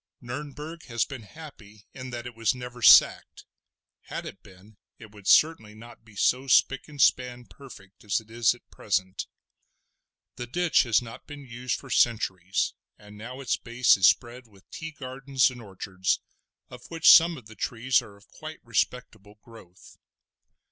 Nurnberg has been happy in that it was never sacked; had it been it would certainly not be so spick and span perfect as it is at present. The ditch has not been used for centuries, and now its base is spread with tea gardens and orchards, of which some of the trees are of quite respectable growth.